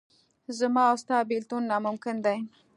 زما او ستا بېلتون ناممکن دی.